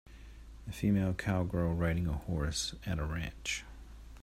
A female cowgirl riding a horse, at a ranch.